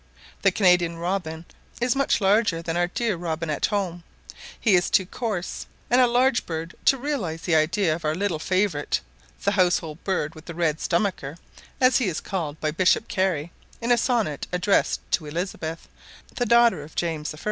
The Canadian robin is much larger than our dear robin at home; he is too coarse and large a bird to realize the idea of our little favourite, "the household bird with the red stomacher," as he is called by Bishop Carey, in a sonnet addressed to Elizabeth, the daughter of James I.